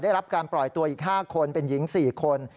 ได้รับการปล่อยตัวอีก๕คนเป็นหญิง๔คน